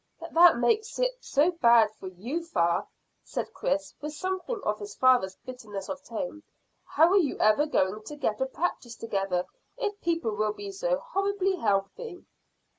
"But that makes it so bad for you, fa," said Chris, with something of his father's bitterness of tone. "How are you ever going to get a practice together if people will be so horribly healthy?"